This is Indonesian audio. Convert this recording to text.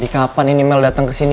jadi kenapa ini mel dateng ke sini